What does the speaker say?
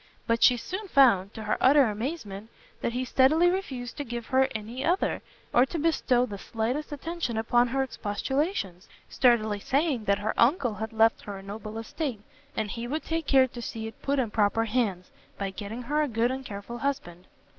But she soon found, to her utter amazement, that he steadily refused to give her any other, or to bestow the slightest attention upon her expostulations, sturdily saying that her uncle had left her a noble estate, and he would take care to see it put in proper hands, by getting her a good and careful husband.